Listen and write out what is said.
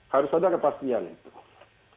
harus ada kepastian itu